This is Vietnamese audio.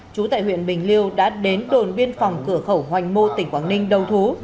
chú tại huyện bình liêu đã đến đồn biên phòng cửa khẩu hoành mô tỉnh quảng ninh đầu thú